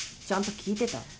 ちゃんと聞いてた？